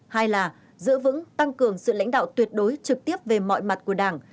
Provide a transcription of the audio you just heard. hai là giữ vững tăng cường sự lãnh đạo tuyệt đối trực tiếp về mọi mặt của đảng